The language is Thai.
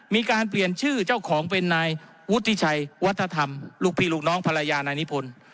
มีการเปลี่ยนชื่อเจ้าของเป็นนายวุฒิชัยวัฒนธรรมลูกพี่ลูกน้องภรรยานายนิพนธ์